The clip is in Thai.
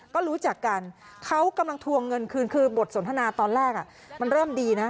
ก็รู้จักกันเขากำลังทวงเงินคืนคือบทสนทนาตอนแรกมันเริ่มดีนะ